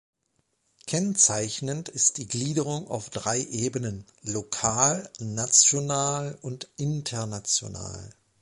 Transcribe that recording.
Kennzeichnend ist die Gliederung auf drei Ebenen: lokal, national und international.